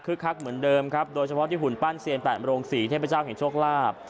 คือคักเหมือนเดิมครับโดยเฉพาะที่หุ่นปั้นเซียน๘โรงศรีเทพเจ้าแห่งโชคลาภ